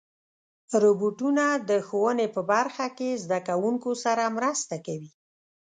روبوټونه د ښوونې په برخه کې زدهکوونکو سره مرسته کوي.